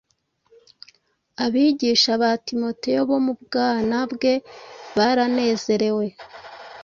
Abigisha ba Timoteyo bo mu bwana bwe baranezerewe